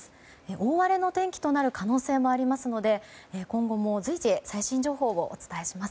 大荒れの天気となる可能性もありますので今後も随時最新情報をお伝えします。